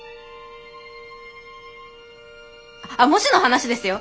あっもしの話ですよ？